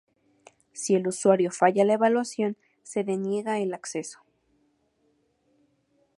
Si el usuario falla la evaluación, se deniega el acceso.